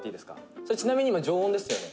「それ、ちなみに今、常温ですよね？」